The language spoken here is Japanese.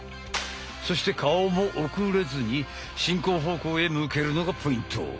そして顔も遅れずに進行方向へ向けるのがポイント。